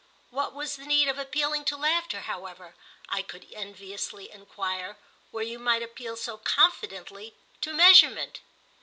What was the need of appealing to laughter, however, I could enviously enquire, where you might appeal so confidently to measurement?